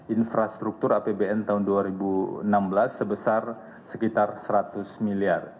infrastruktur apbn tahun dua ribu enam belas sebesar sekitar seratus miliar